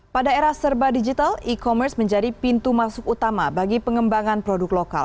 pada era serba digital e commerce menjadi pintu masuk utama bagi pengembangan produk lokal